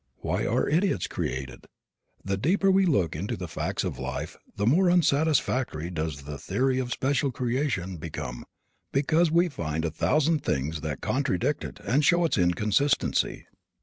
Why are idiots created? The deeper we look into the facts of life the more unsatisfactory does the theory of special creation become because we find a thousand things that contradict it and show its inconsistency.